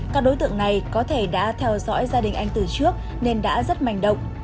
các đối tượng này có thể đã theo dõi gia đình anh từ trước nên đã rất mạnh động